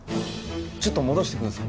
ちょっと戻してください